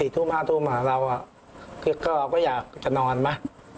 ๔๕ทุ่มอะไรจะนอนหรือเปล่า